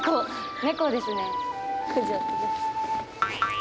猫ですね。